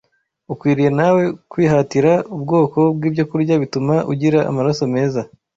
Ukwiriye nawe kwihatira ubwoko bw’ibyokurya bituma ugira amaraso meza